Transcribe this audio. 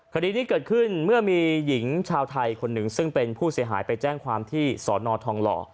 คดีนี้เกิดขึ้นเมื่อมีหญิงชาวไทยคนหนึ่งซึ่งเป็นผู้เสียหายไปแจ้งความที่สอนอทองหล่อ